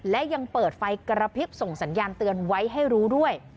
และยังเปิดไฟกระพริบส่งสัญญาณเตือนไว้ให้รู้ด้วย